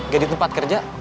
gak di tempat kerja